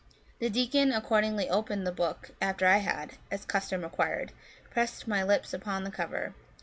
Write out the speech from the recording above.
The deacon accordingly opened the book, after I had, as custom required, pressed my lips upon the cover.